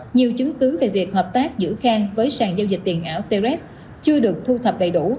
nhiều chứng cứ về việc hợp tác giữa khang với sàn giao dịch tiền ảo tret chưa được thu thập đầy đủ